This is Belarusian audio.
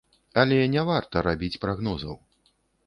Але не варта рабіць прагнозаў.